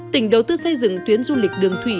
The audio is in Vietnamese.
tỉnh đầu tư xây dựng tuyến du lịch đường thủy